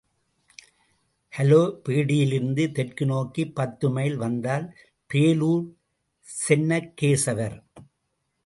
ஹலபேடிலிருந்து தெற்கு நோக்கிப் பத்து மைல் வந்தால் பேலூர் சென்னக்கேசவர்.